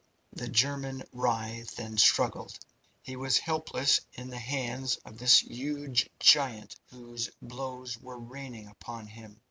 The German writhed and struggled. He was helpless in the hands of this huge giant whose blows were raining upon him.